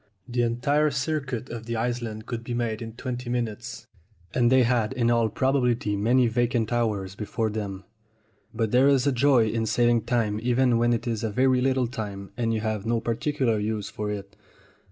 The entire circuit of the island could be made in twenty minutes, and they had in all probability many vacant hours before them. But there is a joy in saving time even when it is a very little time and you have no particular use for it.